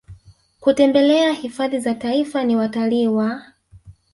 kutembelea hifadhi za Taifa ni watalii wa